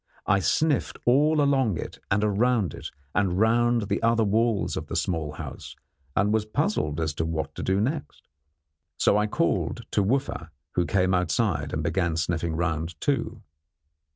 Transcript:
I sniffed all along it and round it, and round the other walls of the small house, and was puzzled as to what to do next. So I called to Wooffa, who came outside and began sniffing round, too.